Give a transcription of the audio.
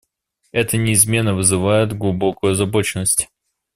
Это неизменно вызывает глубокую озабоченность.